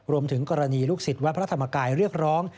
รวมถึงกรณีลูกศิษย์วัดพระธรรมกายเรียกร้อง